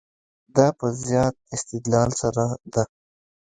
دا په زیات استدلال سره ده.